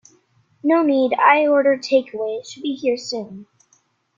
No need, I ordered take away, it should be here soon.